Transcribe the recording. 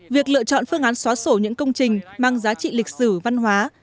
việc lựa chọn phương án xóa sổ những công trình mang giá trị lịch sử văn hóa